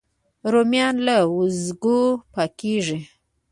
رومیان له وازګو پاکېږي